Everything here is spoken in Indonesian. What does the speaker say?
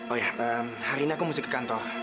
oh ya hari ini aku mesti ke kantor